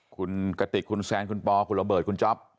คุณกติกคุณแซนคุณปอคุณระเบิดคุณจ๊อป